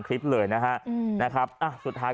กลับมาพร้อมขอบความ